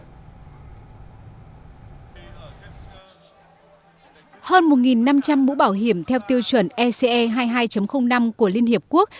hơn một năm trăm linh mũ bảo hiểm theo tiêu chuẩn ece hai mươi hai năm của liên hiệp quốc